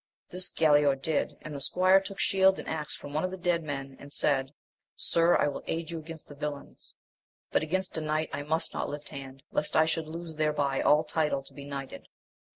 This Galaor did, and the squire took shield and axe from one of the dead men, and said, Sir, i will aid you against the villains ; but against a knight I must not lift hand, lest I should lose thereby all title to be knighted.